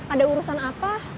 ada urusan apa